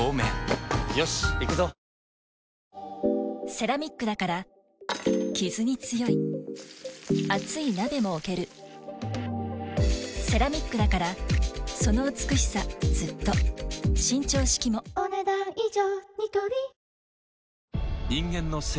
セラミックだからキズに強い熱い鍋も置けるセラミックだからその美しさずっと伸長式もお、ねだん以上。